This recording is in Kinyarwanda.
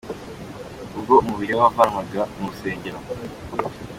Ubwo umubiri we wavanwaga mu rusengero .